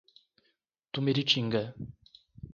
Tumiritinga